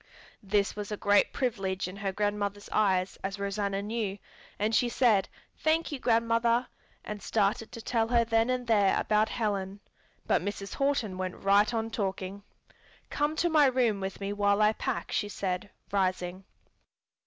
This was a great privilege in her grandmother's eyes, as Rosanna knew, and she said, "Thank you, grandmother," and started to tell her then and there about Helen. But Mrs. Horton went right on talking. "Come to my room with me while I pack," she said, rising.